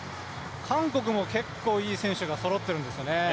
韓国も結構いい選手がそろってるんですよね。